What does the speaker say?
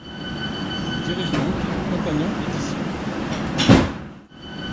Il dirige donc compagnons et disciples.